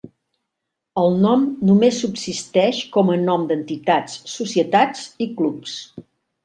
El nom només subsisteix com a nom d'entitats, societats i clubs.